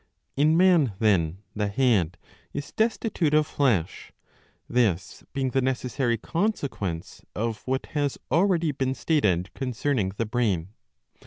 ''' In man, then, the head is destitute of flesh ; this being the necessary consequence of what has already been stated concerning the brain.